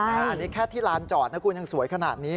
อันนี้แค่ที่ลานจอดนะคุณยังสวยขนาดนี้